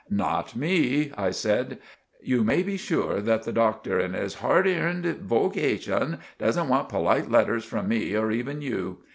"Not me," I said. "You may be sure that the Doctor, in his hard eerned vocation, doesn't want polite letters from me or even you.